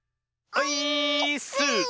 オイーッス！